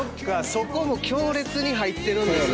そこも強烈に入ってるんですね。